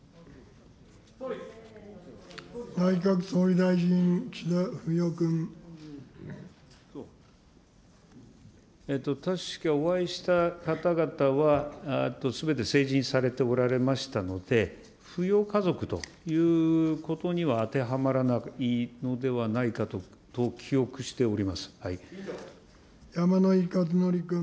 内閣総理大臣、確か、お会いした方々はすべて成人されておられましたので、扶養家族ということには当てはまらないのではないかと記憶してお山井和則君。